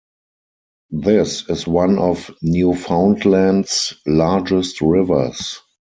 This is one of Newfoundland's largest rivers.